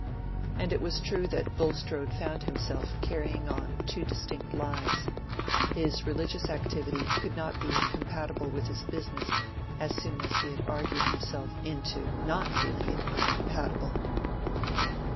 And it was true that Bulstrode found himself carrying on two distinct lives; his religious activity could not be incompatible with his business as soon as he had argued himself into not feeling it incompatible.